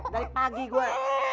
dari pagi gue